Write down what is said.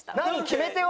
決め手は？